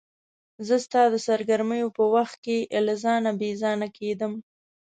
زه ستا د سرګرمیو په وخت کې له ځانه بې ځانه کېدم.